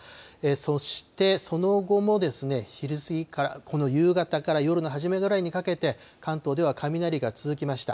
そしてその後もですね、昼過ぎからこの夕方から夜の初めぐらいにかけて、関東では雷が続きました。